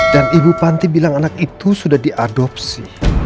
dan ibu panti bilang anak itu sudah diadopsi